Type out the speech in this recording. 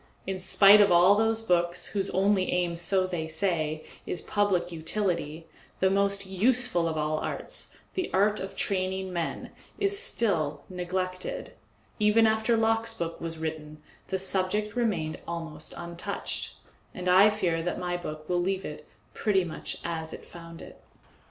In spite of all those books, whose only aim, so they say, is public utility, the most useful of all arts, the art of training men, is still neglected. Even after Locke's book was written the subject remained almost untouched, and I fear that my book will leave it pretty much as it found it.